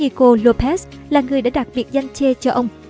chính nicolópez là người đã đặt biệt danh ché cho ông